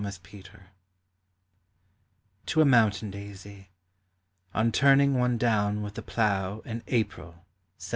CHAUCER, TO A MOUNTAIN DAISY. ON TURNING ONE DOWN WITH THE PLOUGH IN APRIL, L786.